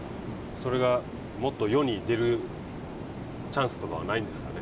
それがもっと世に出るチャンスとかはないんですかね。